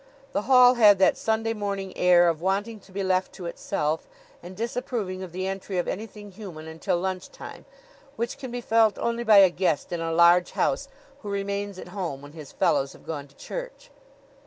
The hall had that Sunday morning air of wanting to be left to itself, and disapproving of the entry of anything human until lunch time, which can be felt only by a guest in a large house who remains at home when his fellows have gone to church.